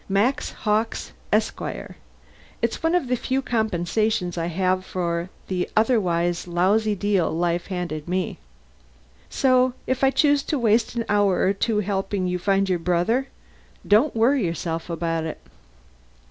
Max Hawkes, Esquire. It's one of the few compensations I have for the otherwise lousy deal life handed me. So if I choose to waste an hour or two helping you find your brother, don't worry yourself about it."